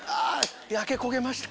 「焼け焦げました」。